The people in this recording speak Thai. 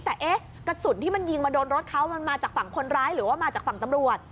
แต่เอ๊ะกระสุนที่มันยิงมาโดนรถเขามันมาจากฝั่งคนร้ายหรือว่ามาจากฝั่งตำรวจ